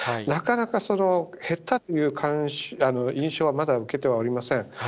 なかなか、減ったという印象はまだ受けてはおりません。